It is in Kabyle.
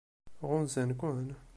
Ɣunzan-ken?